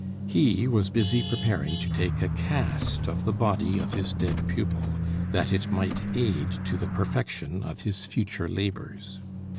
He was busy preparing to take a cast of the body of his dead pupil, that it might aid to the perfection of his future labours.